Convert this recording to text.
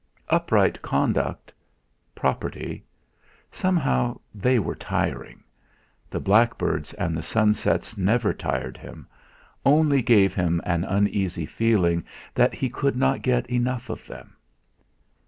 Upright conduct, property somehow, they were tiring; the blackbirds and the sunsets never tired him, only gave him an uneasy feeling that he could not get enough of them.